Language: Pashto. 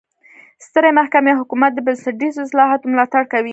سترې محکمې او حکومت د بنسټیزو اصلاحاتو ملاتړ وکړ.